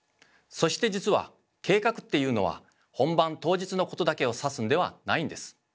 そして実は「計画」っていうのは本番当日のことだけを指すんではないんです。